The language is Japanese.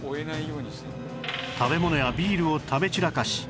食べ物やビールを食べ散らかし